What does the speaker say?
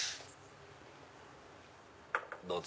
どうぞ！